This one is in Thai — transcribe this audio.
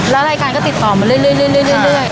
แล้วรายการก็ติดต่อมาเรื่อย